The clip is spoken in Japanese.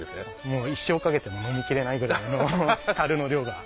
もう一生かけても飲みきれないぐらいの樽の量が。